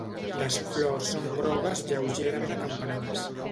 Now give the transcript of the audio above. Les flors són grogues lleugerament acampanades.